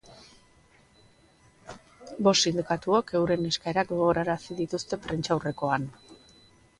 Bost sindikatuok euren eskaerak gogorarazi dituzte prentsaurrekoan.